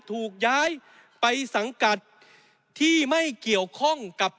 ถูกย้ายไปสังกัดที่ไม่เกี่ยวข้องกับ